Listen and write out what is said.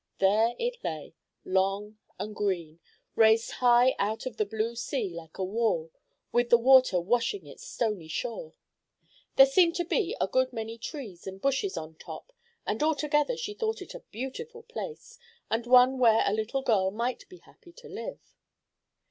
There it lay, long and green, raised high out of the blue sea like a wall, with the water washing its stony shore. There seemed to be a good many trees and bushes on top, and altogether she thought it a beautiful place, and one where a little girl might be happy to live.